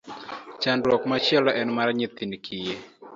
Chandruok machielo en mar nyithind kiye.